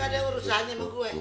ada urusannya mbak gue